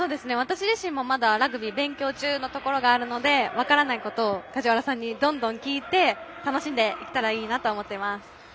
私自身もまだラグビーを勉強中のところがあるので分からないことを梶原さんにどんどん聞いて楽しんでいけたらいいなと思っています。